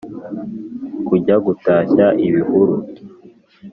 kujya gutashya ibihuru